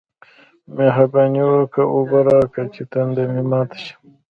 مهرباني وکه! اوبه راکه چې تنده مې ماته شي